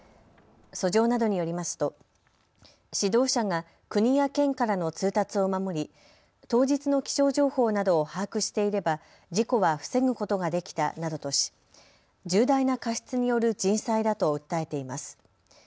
訴状などによりますと指導者が国や県からの通達を守り当日の気象情報などを把握していれば事故は防ぐことができたなどとし重大な過失による人災だと訴えています。